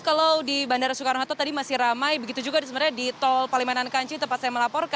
kalau di bandara soekarno hatta tadi masih ramai begitu juga sebenarnya di tol palimanan kanci tempat saya melaporkan